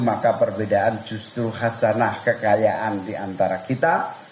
maka perbedaan justru khas danah kekayaan diantara kita